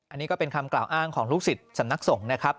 อันนี้ก็เป็นคำกล่าวอ้างของลูกศิษย์สำนักสงฆ์นะครับ